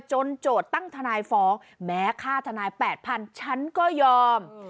โจทย์ตั้งทนายฟ้องแม้ค่าทนาย๘๐๐๐ฉันก็ยอม